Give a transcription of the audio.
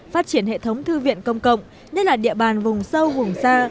phát triển hệ thống thư viện công cộng nhất là địa bàn vùng sâu vùng xa